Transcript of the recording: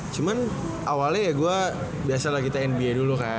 cuman awalnya ya gua biasa lagi tnba dulu kan